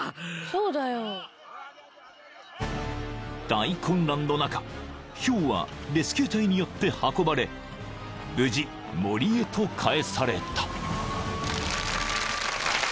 ［大混乱の中ヒョウはレスキュー隊によって運ばれ無事森へとかえされた］